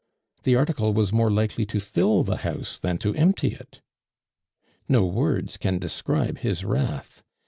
The article was more likely to fill the house than to empty it. No words can describe his wrath.